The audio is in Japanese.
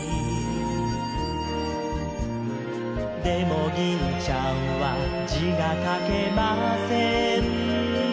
「でも銀ちゃんは字が書けません」